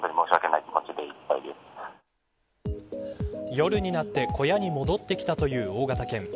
夜になって小屋に戻ってきたという大型犬。